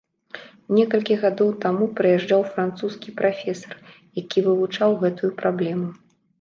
Некалькі гадоў таму прыязджаў французскі прафесар, які вывучаў гэтую праблему.